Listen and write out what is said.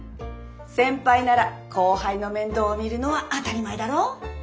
先輩なら後輩の面倒を見るのは当たり前だろ。